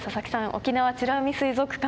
沖縄美ら海水族館